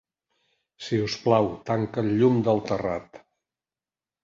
Si us plau, tanca el llum del terrat.